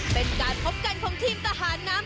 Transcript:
เป็นการพบกันของทีมทหารน้ำ